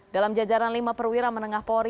dalam jajaran lima perwira menengah polri